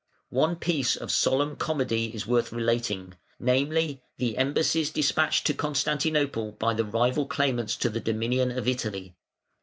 One piece of solemn comedy is worth relating, namely, the embassies despatched to Constantinople by the rival claimants to the dominion of Italy.